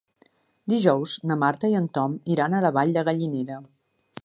Dijous na Marta i en Tom iran a la Vall de Gallinera.